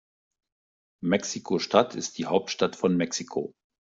Mexiko-Stadt ist die Hauptstadt von Mexiko.